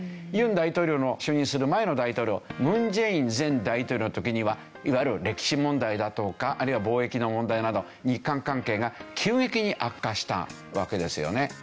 尹大統領の就任する前の大統領文在寅前大統領の時にはいわゆる歴史問題だとかあるいは貿易の問題など日韓関係が急激に悪化したわけですよね。